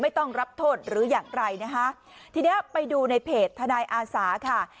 ต้องรับโทษหรืออย่างไรนะคะทีเนี้ยไปดูในเพจทนายอาสาค่ะ